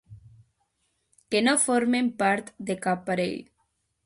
Que no formen part de cap parell.